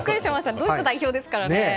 ドイツ代表ですからね。